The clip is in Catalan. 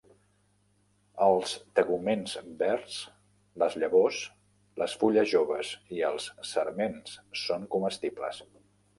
Els teguments verds, les llavors, les fulles joves i els sarments són comestibles.